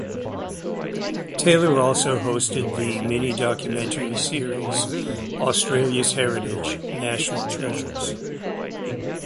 Taylor also hosted the mini documentary series 'Australia's Heritage: National Treasures'.